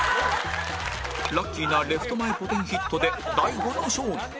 ラッキーなレフト前ポテンヒットで大悟の勝利